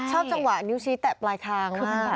ชอบจังหวะนิ้วชี้แตะปลายคางมาก